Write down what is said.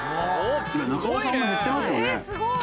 中尾さんも減ってますよね。